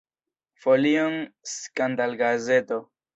Folion skandalgazeto.